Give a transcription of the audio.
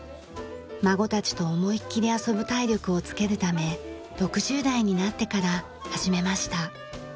孫たちと思いっきり遊ぶ体力をつけるため６０代になってから始めました。